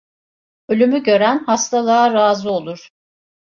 Ölümü gören hastalığa razı olur.